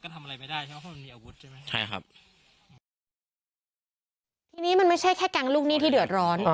ทีนี้มันไม่ใช่แค่แก๊งลูกหนี้ที่เดือดร้อน